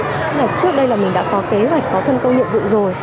tức là trước đây là mình đã có kế hoạch có thân công nhiệm vụ rồi